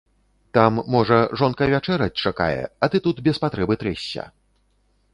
Там, можа, жонка вячэраць чакае, а ты тут без патрэбы трэшся.